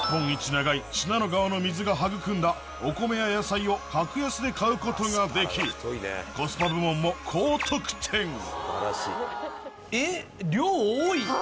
長い信濃川の水が育んだお米や野菜を格安で買うことができコスパ部門も高得点えっ量多い！